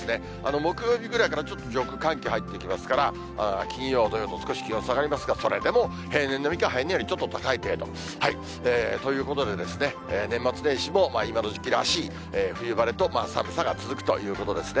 木曜日ぐらいから、ちょっと上空、寒気入ってきますから、金曜、土曜と少し気温下がりますが、それでも、平年並みか、平年よりちょっと高い程度。ということでですね、年末年始も今の時期らしい、冬晴れと寒さが続くということですね。